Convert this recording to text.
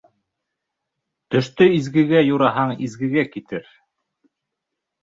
Төштө изгегә юраһаң, изгегә китер.